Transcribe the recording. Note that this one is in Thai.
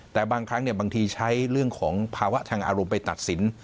แต่บางครั้งบางทีใช้เรื่องของภาวะทางอารมณ์ไปตัดสิน